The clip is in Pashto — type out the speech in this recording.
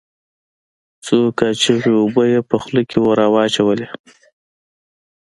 څو کاشوغه اوبه يې په خوله کښې راواچولې.